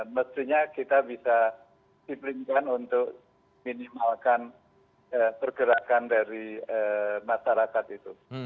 mestinya kita bisa siplinkan untuk minimalkan pergerakan dari masyarakat itu